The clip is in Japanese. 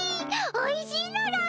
おいしいのだ！